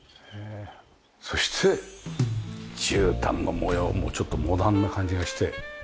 そして絨毯の模様もちょっとモダンな感じがして。